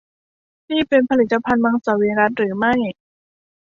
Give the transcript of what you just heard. นี่เป็นผลิตภัณฑ์มังสวิรัติหรือไม่ ?